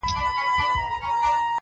• د کشپ غوندي به مځکي ته رالویږي -